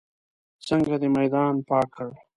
څنګه دې میدان پاک کړ.